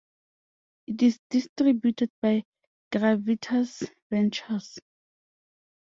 It is distributed by Gravitas Ventures.